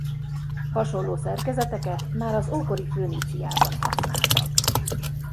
Hasonló szerkezeteket már az ókori Föníciában használtak.